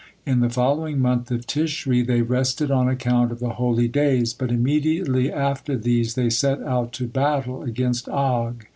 In the following month of Tishri they rested on account of the holy days, but immediately after these they set out to battle against Og.